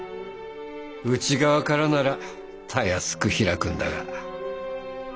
内側からならたやすく開くんだが。